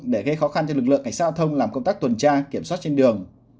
để gây khó khăn cho lực lượng cảnh sát giao thông làm công tác tuần tra kiểm soát trên đường